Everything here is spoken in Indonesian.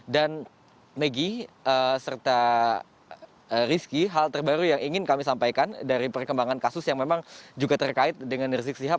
dan megi serta rizky hal terbaru yang ingin kami sampaikan dari perkembangan kasus yang memang juga terkait dengan rizky ksihab